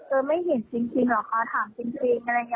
ไม่เห็นจริงเหรอคะถามจริงอะไรอย่างนี้